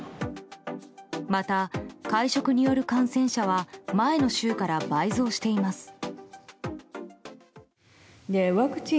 また、会食による感染者は前の週から倍増しています。